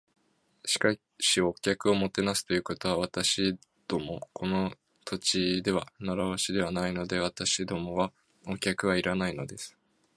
「しかし、お客をもてなすということは、私どものこの土地では慣わしではないので。私どもはお客はいらないのです」